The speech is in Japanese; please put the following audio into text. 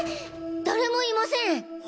誰もいません。